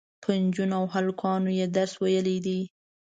په نجونو او هلکانو یې درس ویلی دی.